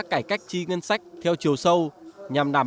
là điều chỉnh trí quý quản lý